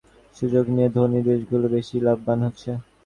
তৈরি পোশাক খাতের নিম্ন মজুরির সুযোগ নিয়ে ধনী দেশগুলো বেশি লাভবান হচ্ছে।